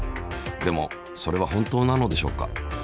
でもそれは本当なのでしょうか。